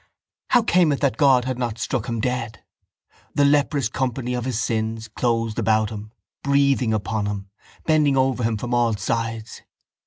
How came it that God had not struck him dead? The leprous company of his sins closed about him, breathing upon him, bending over him from all sides.